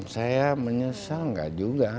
saya menyesal gak juga